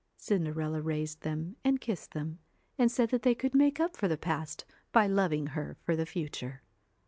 Cinderella raised them and kissed them, and said that they could make up for the past by loving her for the future.